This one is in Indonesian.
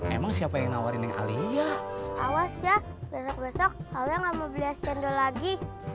emang siapa yang ngawarin yang alia awas ya besok besok kalau nggak mau beli cendol lagi